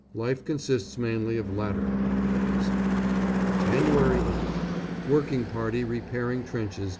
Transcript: Life consists mainly of latter nowadays. Jan. 8th. Working party repairing trenches 9.